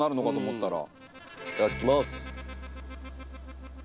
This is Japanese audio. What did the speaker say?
いただきます。